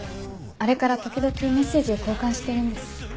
あれから時々メッセージを交換してるんです。